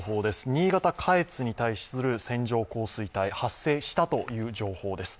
新潟下越に対する線状降水帯発生したという情報です。